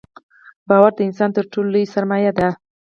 • باور د انسان تر ټولو لوی سرمایه ده.